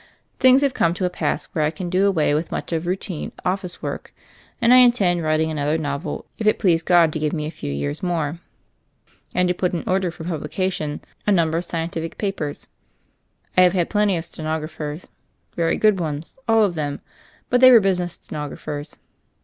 Things have come to a pass where I can do away with much of routine of fice work; and I intend writing another novel, if it please God to give me a few years more, and to put in order for publication a number of scientific papers. I have had plenty of stenog raphers — ^very good ones, all of them ; but they were business stenographers.